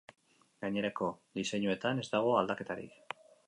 Gainerako diseinuetan ez dago aldaketarik.